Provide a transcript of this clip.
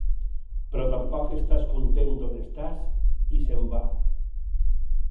Però tampoc estàs content on estàs i s"en va.